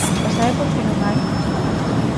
¿E sabe por que non a hai?